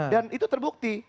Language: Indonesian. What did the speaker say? dan itu terbukti